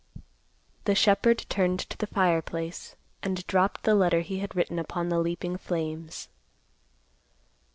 The shepherd turned to the fireplace and dropped the letter he had written upon the leaping flames.